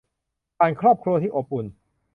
ผ่านครอบครัวที่อบอุ่น